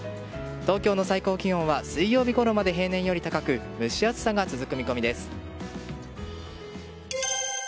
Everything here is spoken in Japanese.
東京の最高気温は水曜日ごろまで平年より高く蒸し暑さが続く見込みです。